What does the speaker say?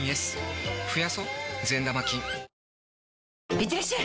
いってらっしゃい！